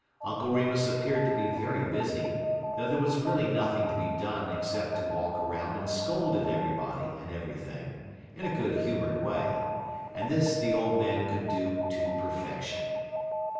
Uncle Remus appeared to be very busy, though there was really nothing to be done except to walk around and scold at everybody and everything, in a good humored way, and this the old man could do to perfection.